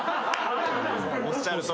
おっしゃるとおり。